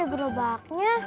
kok gak ada gerobaknya